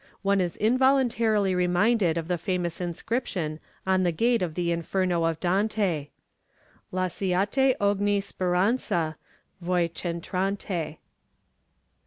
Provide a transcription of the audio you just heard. One is involuntarily reminded of the famous inscription on the gate of the Inferno of Dante "'Lasciate ogni speranza, voi ch' entrate.'"